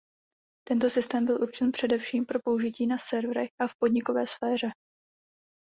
Tento systém byl určen především pro použití na serverech a v podnikové sféře.